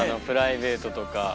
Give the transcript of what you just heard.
プライベートとか。